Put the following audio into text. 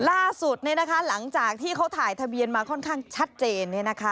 หลังจากที่เขาถ่ายทะเบียนมาค่อนข้างชัดเจน